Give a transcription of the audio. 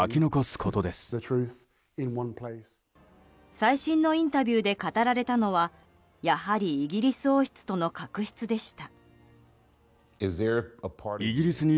最新のインタビューで語られたのはやはり、イギリス王室との確執でした。